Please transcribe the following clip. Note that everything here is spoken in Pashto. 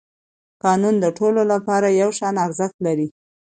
قانون د ټولو لپاره یو شان ارزښت لري